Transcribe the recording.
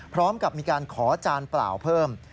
พร้อมกับมีการขอจานเปล่าเพิ่ม